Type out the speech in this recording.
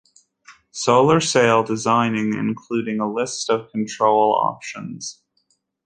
Solar sail designing including a list of control options.